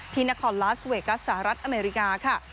ที่นครลาสเวกัสสหรัฐอเมริกาค่ะ